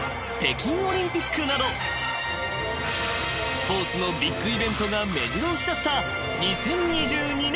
［スポーツのビッグイベントがめじろ押しだった２０２２年］